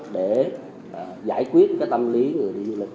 để giải quyết cái tâm lý người đi du lịch